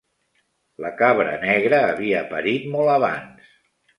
La cabra negra havia parit molt abans.